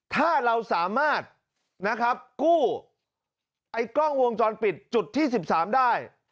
ถ้าเราสามารถกู้กล้องวงจรปิดจุดที่๑๓ได้